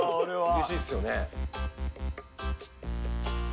うれしいっすよね。